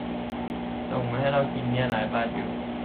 ส่งมาให้เรากินเนี่ย หลายบาทอยู่